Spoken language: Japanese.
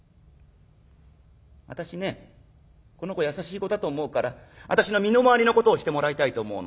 私ねこの子優しい子だと思うから私の身の回りのことをしてもらいたいと思うの。